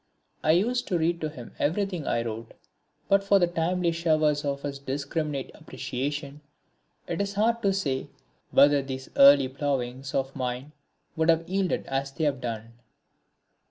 I used to read to him everything I wrote, and but for the timely showers of his discriminate appreciation it is hard to say whether these early ploughings of mine would have yielded as they have done.